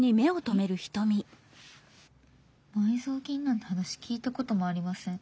「埋蔵金なんて話聞いたこともありません。